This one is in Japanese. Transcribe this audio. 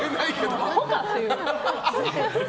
アホかっていう。